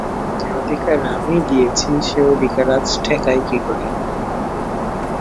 যে অধিকার আমিই দিয়েছি সে অধিকার আজ ঠেকাই কী করে!